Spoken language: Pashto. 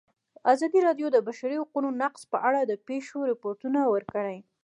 ازادي راډیو د د بشري حقونو نقض په اړه د پېښو رپوټونه ورکړي.